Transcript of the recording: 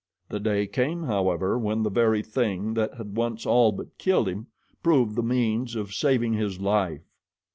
The day came, however, when the very thing that had once all but killed him proved the means of saving his life.